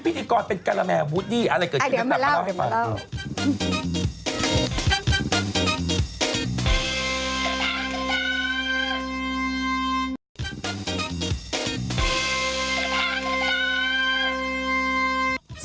พิธีกรเป็นการแมร์วูดดี้อะไรเกิดชีวิต